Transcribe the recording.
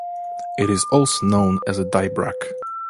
It is also known as a dibrach.